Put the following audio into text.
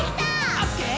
「オッケー！